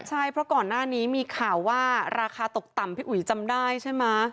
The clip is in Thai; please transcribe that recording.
ใช่เพราะก่อนหน้านี้มีข่าวว่าราคาตกต่ำพี่อุ๋ยจำได้ใช่ไหม